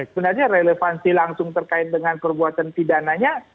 sebenarnya relevansi langsung terkait dengan perbuatan pidananya